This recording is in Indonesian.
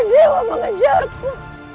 jagera dewa mengejarku